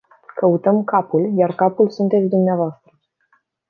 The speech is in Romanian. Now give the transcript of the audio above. Căutăm capul, iar capul sunteți dvs.!